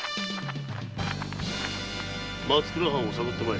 松倉藩を探って参れ。